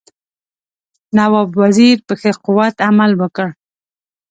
نواب وزیر په ښه قوت عمل وکړ.